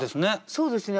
そうですよね。